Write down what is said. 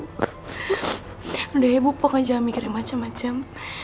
sudah ibu pokoknya mikirnya macam macam